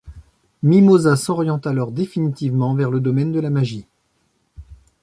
Mimosa s'oriente alors définitivement vers le domaine de la magie.